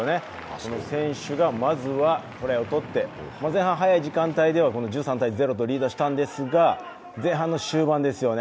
この選手がまずはトライをとって前半早い時間帯で１３−０とリードしたんですが前半の終盤ですよね